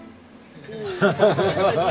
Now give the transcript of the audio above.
ハハハハハ！